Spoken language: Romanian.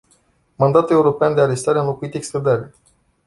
Mandatul european de arestare a înlocuit extrădarea.